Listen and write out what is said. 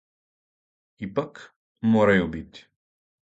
Ипак, морају бити.